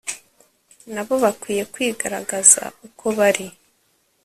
nabo bakwiye kwigaragaza uko bari